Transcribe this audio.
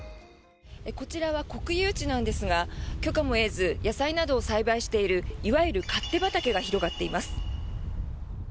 こちらは国有地なんですが許可も得ず野菜などを栽培しているいわゆる勝手畑が広がっています。